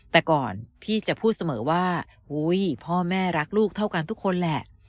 แต่ก่อนพี่จะพูดเสมอว่าพ่อแม่รักลูกเท่ากันทุกคนแหละ